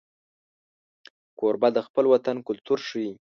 کوربه د خپل وطن کلتور ښيي.